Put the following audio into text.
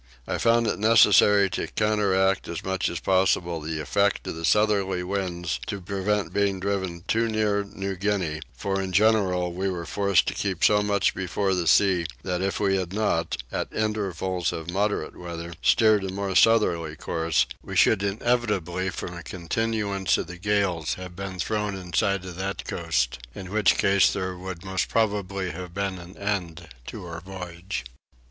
I found it necessary to counteract as much as possible the effect of the southerly winds to prevent being driven too near New Guinea, for in general we were forced to keep so much before the sea that if we had not, at intervals of moderate weather, steered a more southerly course we should inevitably from a continuance of the gales have been thrown in sight of that coast: in which case there would most probably have been an end to our voyage.